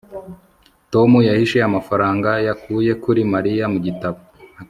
tom yahishe amafaranga yakuye kuri mariya mu gitabo